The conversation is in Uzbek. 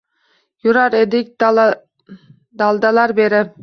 Yurar eding daldalar berib